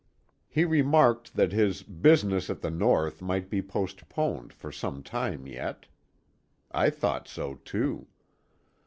He remarked that his "business at the north might be postponed for some time yet." I thought so too!